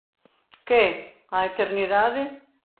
Que? a eternidade.